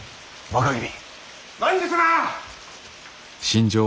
若君！